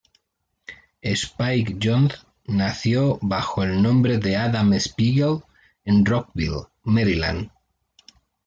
Spike Jonze nació bajo el nombre de Adam Spiegel en Rockville, Maryland.